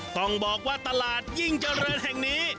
ต้องบอกว่าตลาดยิ่งเจริญแห่งนี้